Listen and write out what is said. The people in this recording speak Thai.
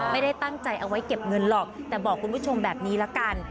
ไม่ได้ตั้งใจเอาไว้เก็บเงินหรอกแต่บอกคุณผู้ชมแบบนี้ละกัน